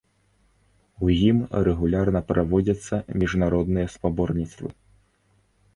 У ім рэгулярна праводзяцца міжнародныя спаборніцтвы.